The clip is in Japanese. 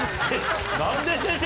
何で先生